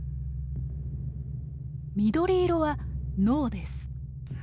緑色は脳です。